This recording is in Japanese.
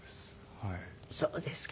そうですか。